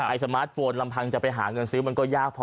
สมาร์ทโฟนลำพังจะไปหาเงินซื้อมันก็ยากพอ